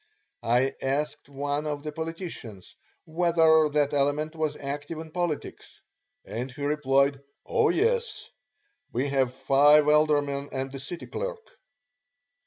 I asked one of the politicians whether that element was active in politics, and he replied, "Oh, yes; we have five aldermen and the city clerk."